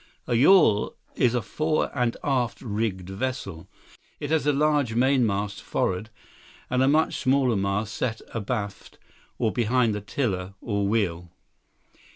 A yawl is a fore and aft rigged vessel. It has a large mainmast forward, and a much smaller mast set abaft or behind the tiller, or wheel.